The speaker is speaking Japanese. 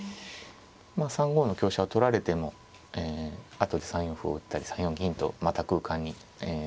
まあ３五の香車を取られても後で３四歩を打ったり３四銀とまた空間に駒を打てますので